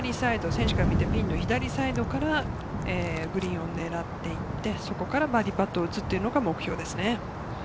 選手から見て、左サイドからグリーンを狙っていって、そこからバーディーパットを打つっていうのが目標ですね。